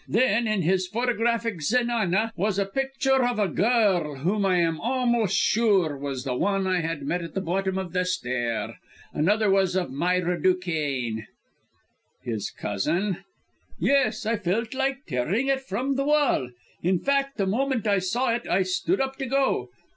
Then, in his photographic zenana, was a picture of a girl whom I am almost sure was the one I had met at the bottom of the stair. Another was of Myra Duquesne." "His cousin?" "Yes. I felt like tearing it from the wall. In fact, the moment I saw it, I stood up to go.